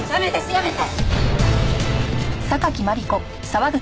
やめて！